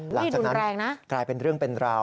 หลังจากนั้นกลายเป็นเรื่องเป็นราว